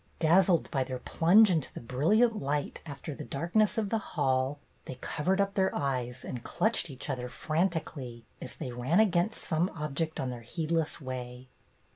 Dazzled by their plunge into the brilliant light after the darkness of the hall, they covered up their eyes and clutched each other frantically, as they ran against some object on their heedless way.